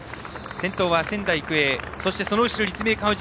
先頭は仙台育英その後ろ、立命館宇治。